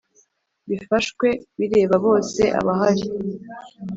bifashwe bireba bose abahari